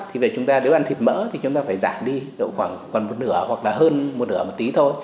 thì về chúng ta nếu ăn thịt mỡ thì chúng ta phải giảm đi độ khoảng gần một nửa hoặc là hơn một nửa một tí thôi